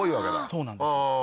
そうなんですよ。